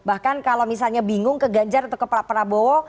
bahkan kalau misalnya bingung ke ganjar atau ke pak prabowo